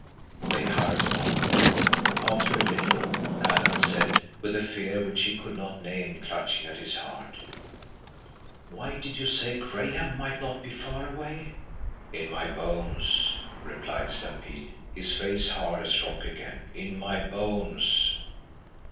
They hurried on. After a little Alan said, with the fear which he could not name clutching at his heart, "Why did you say Graham might not be far away?" "In my bones," replied Stampede, his face hard as rock again. "In my bones!"